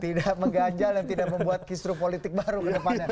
tidak mengganjal dan tidak membuat kisru politik baru ke depannya